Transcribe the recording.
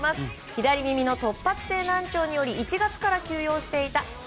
左耳の突発性難聴により１月から休養していたＨｅｙ！